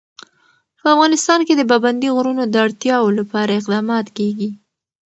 په افغانستان کې د پابندي غرونو د اړتیاوو لپاره اقدامات کېږي.